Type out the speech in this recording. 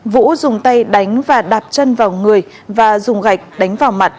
vũ dùng tay đánh và đạp chân vào người và dùng gạch đánh vào mặt